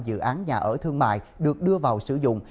ba mươi năm dự án nhà ở thương mại được đưa vào sử dụng